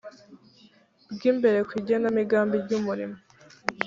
bw imbere ku igenamigambi ry umurimo